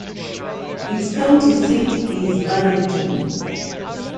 Its county seat is Burlington.